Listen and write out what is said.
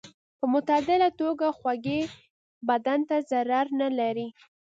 په معتدله توګه خوږې بدن ته ضرر نه لري.